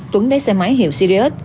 tuấn đáy xe máy hiệu sirius